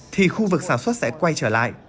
thì khu vực sản xuất sẽ quay trở lại